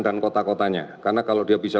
dan kota kotanya karena kalau dia bisa